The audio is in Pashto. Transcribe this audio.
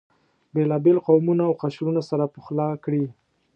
بېلابېل قومونه او قشرونه سره پخلا کړي.